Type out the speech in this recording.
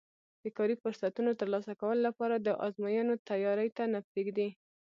د کاري فرصتونو ترلاسه کولو لپاره د ازموینو تیاري ته نه پرېږدي